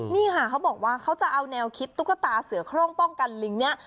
นี่ค่ะเขาบอกว่าเขาจะเอาแนวคิดตุ๊กตาเสือโครงป้องกันลิงเนี่ย